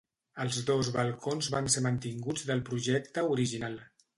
Els dos balcons van ser mantinguts del projecte original.